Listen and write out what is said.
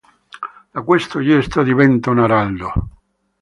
Da questo gesto diventa un araldo.